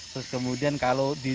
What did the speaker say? terus kemudian kalau